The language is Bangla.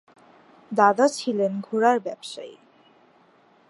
দাদা ছিলেন ঘোড়ার ব্যবসায়ী।